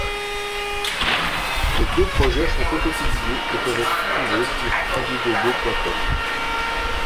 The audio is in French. Les deux projets sont auto-publiés et peuvent être trouvés sur indiegogo.com.